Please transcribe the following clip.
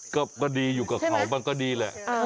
ก็ดีอยู่กับเขาบ้างก็ดีแหละ